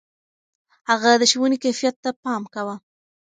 هغه د ښوونې کيفيت ته پام کاوه.